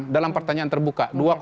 dalam pertanyaan terbuka